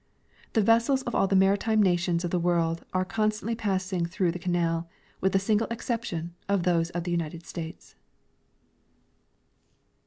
The vessels of all the maritime nations of the world are constantly passing through the canal, with the single exception of those of the United States.